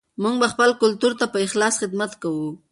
موږ به خپل کلتور ته په اخلاص خدمت کوو.